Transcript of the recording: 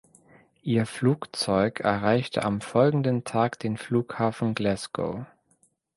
Ihr Flugzeug erreichte am folgenden Tag den Flughafen Glasgow.